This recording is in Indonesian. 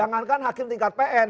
jangankan hakim tingkat pn